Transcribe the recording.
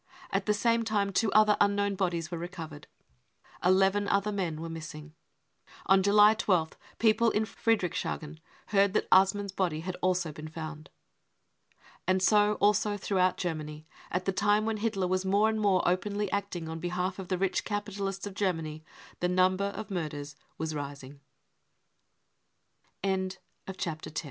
At the same time two other unknown bodies were recovered. Eleven other men were missing. On July i sth people in Friedrichshagen heard that Assmann's body had also been found. And so also throughout Germany, at the time when Hitler was more and more openly acting on behalf of the rich capitalists of G